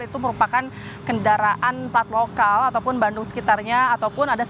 itu merupakan kendaraan plat lokal ataupun bandung sekitarnya